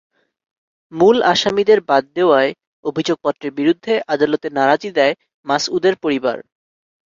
মূল আসামিদের বাদ দেওয়ায় অভিযোগপত্রের বিরুদ্ধে আদালতে নারাজি দেয় মাসউদের পরিবার।